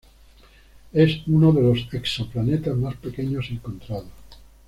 Es uno de los exoplanetas más pequeños encontrados.